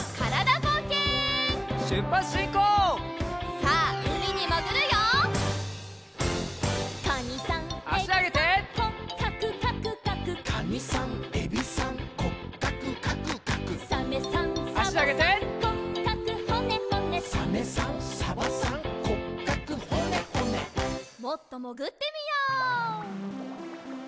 もっともぐってみよう。